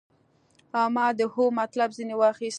او ما د هو مطلب ځنې واخيست.